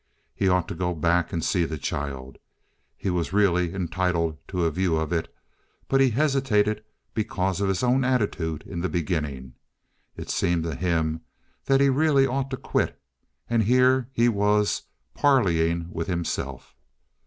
He ought to go back and see the child—he was really entitled to a view of it—but he hesitated because of his own attitude in the beginning. It seemed to him that he really ought to quit, and here he was parleying with himself.